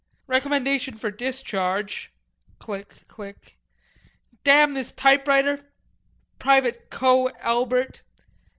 "Recommendation for discharge"... click, click... "Damn this typewriter.... Private Coe Elbert"...